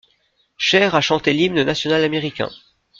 Cher a chanté l'hymne national américain.